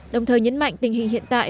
đồng thời nhấn mạnh tình hình hiện tại